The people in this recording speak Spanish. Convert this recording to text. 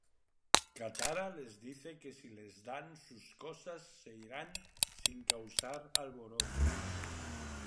Katara les dice que si les dan sus cosas se iran sin causar alboroto.